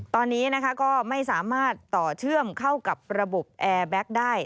ตอนนี้นะคะก็ไม่สามารถต่อเชื่อมเข้ากับระบบแอร์แบ็คได้